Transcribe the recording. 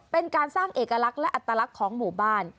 เป็นการสร้างเอกลักษณ์และอัตลักษณ์ของหมู่บ้าน